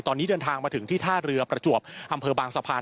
ตอนนี้เดินทางมาถึงที่ท่าเรือประจวบอำเภอบางสะพาน